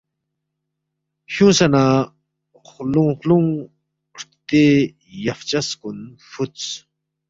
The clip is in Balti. فیُونگسے نہ خلُونگ خلُونگ ہرتے یفچس کُن فُودس